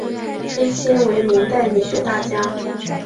崔铣为明代理学大家。